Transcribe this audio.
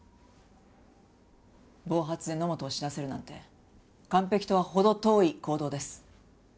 暴発で野本を死なせるなんて完璧とは程遠い行動です。